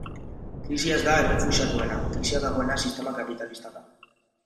Krisia ez da errefuxiatuena, krisian dagoena sistema kapitalista da.